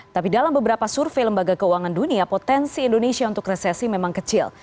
tapi dalam beberapa survei lembaga keuangan dunia potensi indonesia untuk resesi memang kecil